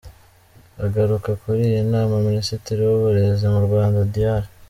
Agaruka kuri iyi nama, Minisitiri w’uburezi mu Rwanda Dr.